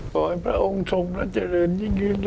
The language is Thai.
ปล่อยพระองค์ทรงรัจเจริญยิ่งอื่นแล้วลุก